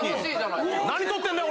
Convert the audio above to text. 何撮ってんだよ